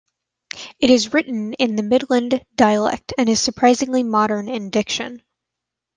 It is written in the Midland dialect, and is surprisingly modern in diction.